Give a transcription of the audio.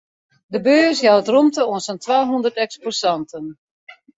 De beurs jout rûmte oan sa'n twahûndert eksposanten.